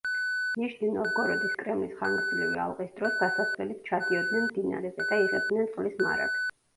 ნიჟნი-ნოვგოროდის კრემლის ხანგრძლივი ალყის დროს გასასვლელით ჩადიოდნენ მდინარეზე და იღებდნენ წყლის მარაგს.